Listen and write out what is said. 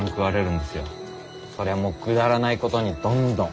そりゃもうくだらないことにどんどん。